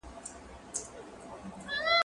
هغه څوک چي مځکه کري حاصل اخلي!؟